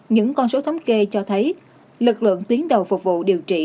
những con số thống kê cho thấy lực lượng tuyến đầu phục vụ điều trị